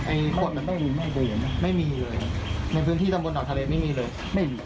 ไอ้ขวดไม่มีไม่มีไม่มีเลยในพื้นที่ตรงบนหนอกทะเลไม่มีเลยไม่มี